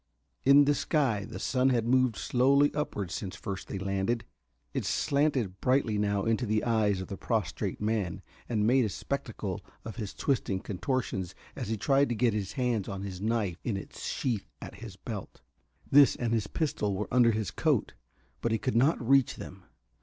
In the sky the sun had moved slowly upward since first they landed. It slanted brightly now into the eyes of the prostrate man and made a spectacle of his twisting contortions as he tried to get his hands on his knife in its sheath at his belt. This and his pistol were under his coat. But he could not reach them.